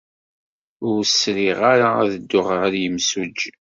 Ur sriɣ ara ad dduɣ ɣer yimsujji.